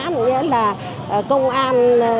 nghĩa là công an